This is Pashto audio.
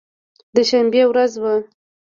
د شنبې ورځ وه.